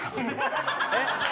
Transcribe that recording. えっ？